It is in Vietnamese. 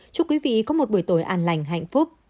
chúc quý vị có một buổi tối an lành hạnh phúc